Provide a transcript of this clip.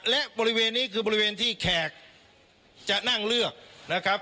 และบริเวณนี้คือบริเวณที่แขกจะนั่งเลือกนะครับ